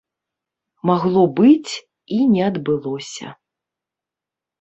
Магло быць і не адбылося.